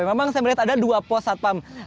memang saya melihat ada dua pos satpam